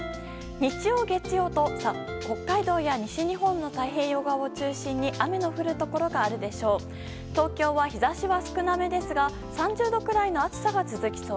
日曜、月曜と、北海道や西日本の太平洋側を中心に雨の降るところがあるでしょう。